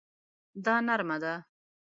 دا نرمه ده